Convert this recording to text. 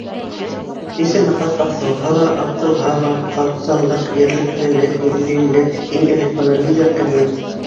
Нисәмә ҡат аҫылһа ла, атылһа ла, — Халыҡсанлыҡ, ерлеклелек, миллилек — иң элек бына ниҙәр ҡиммәт.